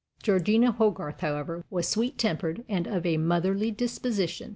Georgina Hogarth, however, was sweet tempered and of a motherly disposition.